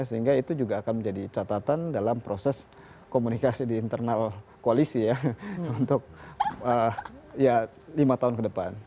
sehingga itu juga akan menjadi catatan dalam proses komunikasi di internal koalisi ya untuk ya lima tahun ke depan